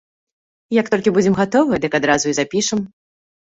Як толькі будзем гатовыя, дык адразу і запішам.